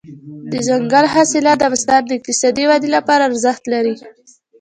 دځنګل حاصلات د افغانستان د اقتصادي ودې لپاره ارزښت لري.